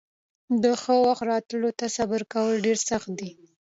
د ښه وخت راتلو ته صبر کول ډېر سخت دي.